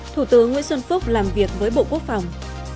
thủ tướng nguyễn xuân phúc làm việc với bộ quốc phòng